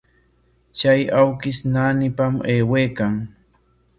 Chay awkish naanipam aywaykan.